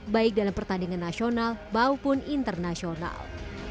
baik dalam pertandingan nasional maupun internasional